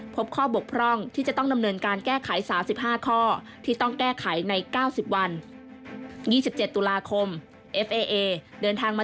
พบข้อบกพร่องที่จะต้องดำเนินการแก้ไข๓๕ข้อที่ต้องแก้ไขใน๙๐วัน